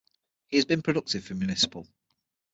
He has been productive for Municipal.